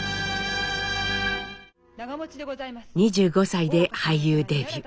２５歳で俳優デビュー。